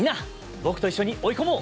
僕と一緒に追い込もう！